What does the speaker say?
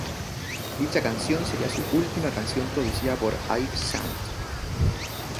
Dicha canción sería su última canción producida por I've Sound.